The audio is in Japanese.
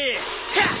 はっ！